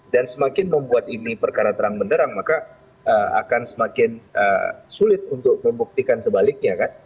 dan semakin membuat ini perkara terang benderang maka akan semakin sulit untuk membuktikan sebaliknya kan